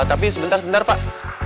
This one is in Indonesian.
tapi sebentar sebentar pak